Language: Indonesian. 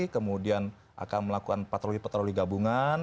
kemudian akan melakukan patroli patroli gabungan